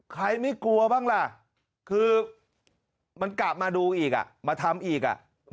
ไม่กลัวบ้างล่ะคือมันกลับมาดูอีกมาทำอีก